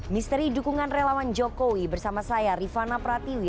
misteri dukungan relawan jokowi bersama saya rifana pratiwi